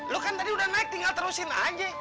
lo kan tadi udah naik tinggal terusin aja